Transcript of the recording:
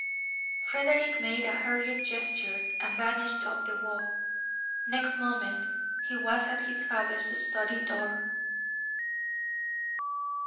Frederick made a hurried gesture and vanished up the walk. Next moment he was at his father's study door.